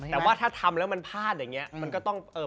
แต่ว่าถ้าทำแล้วมันพลาดอย่างนี้